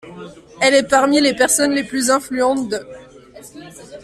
Elle est parmi les personnes les plus influentes de l'.